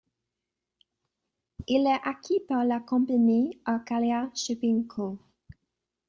Il est acquis par la compagnie Arcalia Shipping Co.